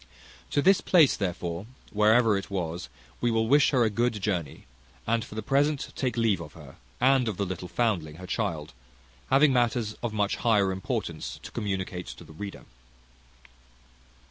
To this place therefore, wherever it was, we will wish her a good journey, and for the present take leave of her, and of the little foundling her child, having matters of much higher importance to communicate to the reader.